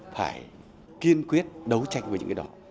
phải kiên quyết đấu tranh với những cái đó